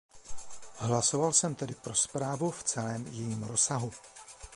Hlasoval jsem tedy pro zprávu v celém jejím rozsahu.